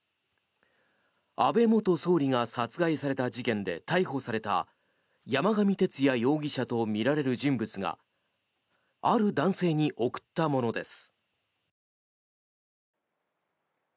安倍元総理が殺害された事件で逮捕された山上徹也容疑者とみられる人物がある男性に送ったものです。